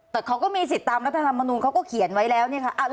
แต่เขาก็มีสิทธิ์ตามรัฐธรรมนูลเขาก็เขียนไว้แล้วเนี่ยค่ะ